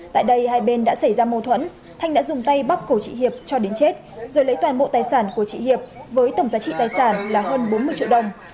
tại đây hai bên đã xảy ra mâu thuẫn thanh đã dùng tay bóc cổ chị hiệp cho đến chết rồi lấy toàn bộ tài sản của chị hiệp với tổng giá trị tài sản là hơn bốn mươi triệu đồng